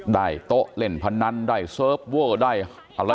โต๊ะเล่นพนันได้เซิร์ฟเวอร์ได้อะไร